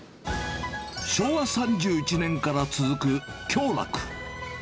昭和３１年から続く共楽。